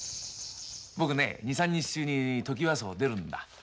僕ね２３日中にトキワ荘を出るんだ。